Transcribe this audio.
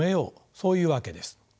そういうわけです。